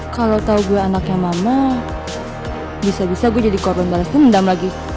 kalau tau gue anaknya mama bisa bisa gue jadi korban balasnya mendam lagi